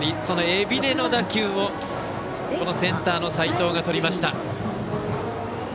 その海老根の打球をセンターの齋藤がとりました。